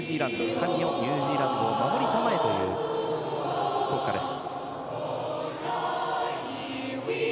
「神よ、ニュージーランドを守りたまえ」という国歌です。